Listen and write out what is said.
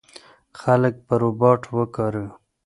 خلک به روباټ وکاروي.